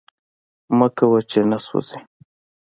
مه ګوره چی نه سوازی